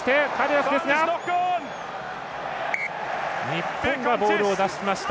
日本がボールを出しました。